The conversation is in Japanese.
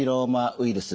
ウイルス？